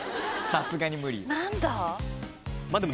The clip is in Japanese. さすがに無理よ。